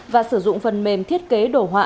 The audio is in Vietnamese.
và sử dụng phần mềm thiết kế đồ họa